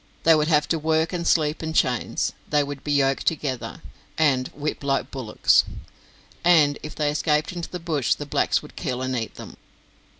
They would have to work and sleep in chains; they would be yoked together, and whipped like bullocks; and if they escaped into the bush the blacks would kill and eat them.